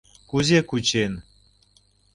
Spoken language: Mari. — Кузе кучен?